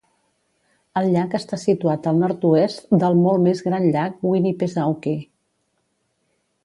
El llac està situat al nord-oest del molt més gran llac Winnipesaukee.